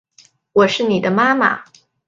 我是妳的妈妈